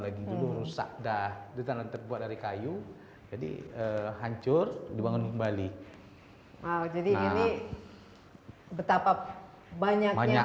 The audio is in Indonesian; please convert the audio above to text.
ini dulu rusak dah ditanam terbuat dari kayu jadi hancur dibangun kembali jadi ini betapa banyaknya